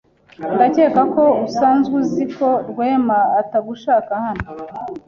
Ndakeka ko usanzwe uzi ko Rwema atagushaka hano.